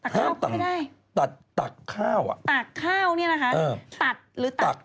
ตัดข้าวก็ไม่ได้ตัดข้าวนี่นะคะตัดหรือตัด